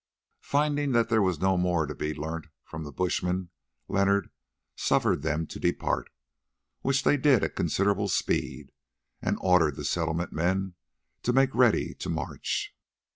Finding that there was no more to be learnt from the bushmen, Leonard suffered them to depart, which they did at considerable speed, and ordered the Settlement men to make ready to march.